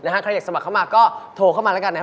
นะฮะใครอยากสมัครเข้ามาก็โทรเข้ามาละกันนะฮะ